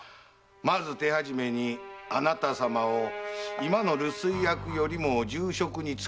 まず手始めにあなたさまを今の留守居役より重職にさせる。